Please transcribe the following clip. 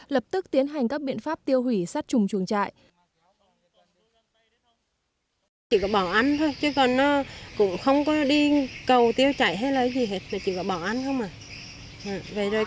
lập tức tiến hành các biện pháp tiêu hủy sát trùng chuồng trại